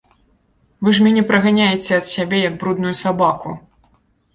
Вы ж мяне праганяеце ад сябе, як брудную сабаку.